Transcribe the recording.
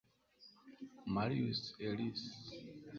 Marius Els